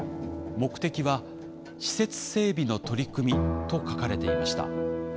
目的は「施設整備の取組」と書かれていました。